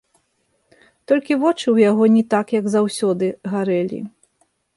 Толькі вочы ў яго не так, як заўсёды, гарэлі.